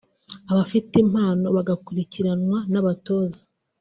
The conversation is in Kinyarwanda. abafite impano bagakurikiranwa n’abatoza